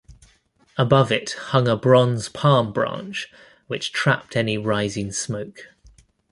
Above it hung a bronze palm branch which trapped any rising smoke.